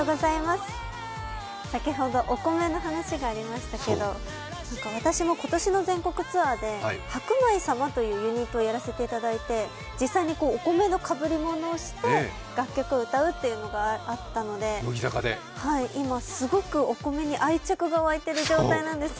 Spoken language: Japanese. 先ほど、お米の話がありましたけど私も今年の全国ツアーで白米様というユニットをやらせていただいて実際にお米のかぶり物をして楽曲を歌うというのがあったので、今、すごくお米に愛着が湧いている状態なんです。